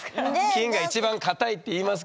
金が一番堅いっていいますけどね。